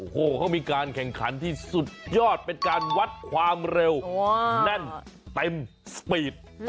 โอ้โหเขามีการแข่งขันที่สุดยอดเป็นการวัดความเร็วแน่นเต็มสปีด